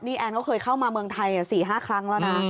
นี่แอนก็เคยเข้ามาเมืองไทย๔๕ครั้งแล้วนะ